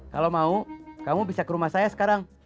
kalau mau kamu bisa ke rumah saya sekarang